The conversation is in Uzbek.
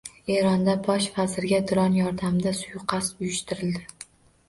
Iroqda bosh vazirga dron yordamida suiqasd uyushtirildi